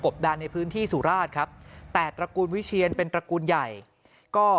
ดันในพื้นที่สุราชครับแต่ตระกูลวิเชียนเป็นตระกูลใหญ่ก็